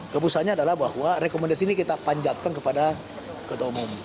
keputusannya adalah bahwa rekomendasi ini kita panjatkan kepada ketua umum